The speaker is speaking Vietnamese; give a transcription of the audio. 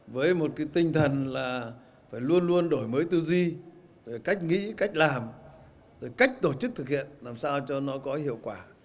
với một cái tinh thần là phải luôn luôn đổi mới tư duy cách nghĩ cách làm rồi cách tổ chức thực hiện làm sao cho nó có hiệu quả